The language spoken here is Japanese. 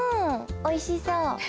おいしそう。